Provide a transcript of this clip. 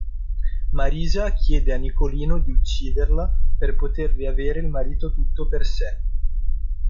Marisa chiede a Nicolino di ucciderla, per poter riavere il marito tutto per sé.